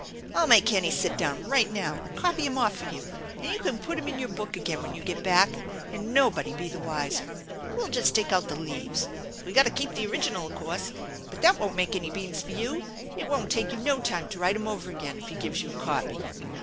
I'll make Hennie sit down right now and copy 'em off for you, and you can put 'em in your book again when you get back and nobody be the wiser. We'll just take out the leaves. We gotta keep the original o' course, but that won't make any beans for you. It won't take you no time to write 'em over again if he gives you a copy."